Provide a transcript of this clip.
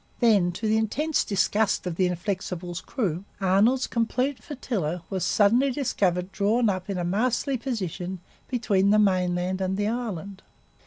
Then, to the intense disgust of the Inflexible's crew, Arnold's complete flotilla was suddenly discovered drawn up in a masterly position between the mainland and the island.